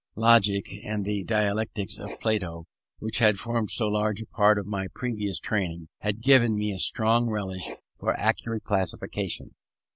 Logic and the dialectics of Plato, which had formed so large a part of my previous training, had given me a strong relish for accurate classification.